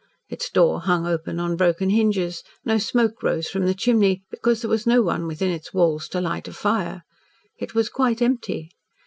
Its door hung open on broken hinges, no smoke rose from the chimney, because there was no one within its walls to light a fire. It was quite empty.